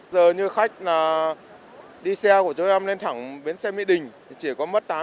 giờ như khách đi xe của chú em lên thẳng bến xe mỹ đình thì chỉ có mất tám mươi